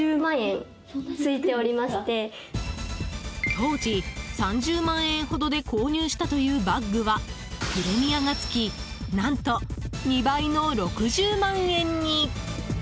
当時、３０万円ほどで購入したというバッグはプレミアがつき何と２倍の６０万円に。